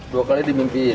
dua kali dimimpiin